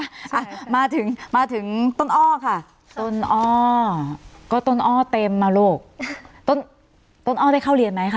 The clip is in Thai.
อ่ะมาถึงมาถึงต้นอ้อค่ะต้นอ้อก็ต้นอ้อเต็มอ่ะลูกต้นต้นอ้อได้เข้าเรียนไหมคะ